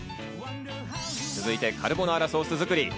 続いてカルボナーラソース作り。